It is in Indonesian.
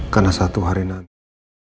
karena satu hari nanti